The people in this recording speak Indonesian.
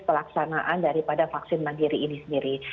pelaksanaan daripada vaksin mandiri ini sendiri